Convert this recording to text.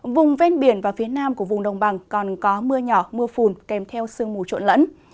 vùng ven biển và phía nam của vùng đồng bằng còn có mưa nhỏ mưa phùn kèm theo sương mù trộn lẫn